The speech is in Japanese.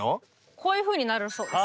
こういうふうになるそうです。